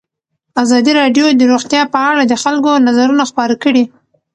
ازادي راډیو د روغتیا په اړه د خلکو نظرونه خپاره کړي.